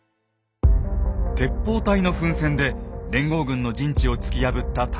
鉄砲隊の奮戦で連合軍の陣地を突き破った武田軍。